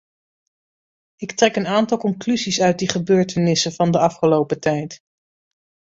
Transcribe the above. Ik trek een aantal conclusies uit die gebeurtenissen van de afgelopen tijd.